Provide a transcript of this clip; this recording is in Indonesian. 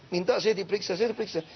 minta saya diperiksa saya diperiksa